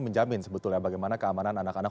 menjamin sebetulnya bagaimana keamanan anak anak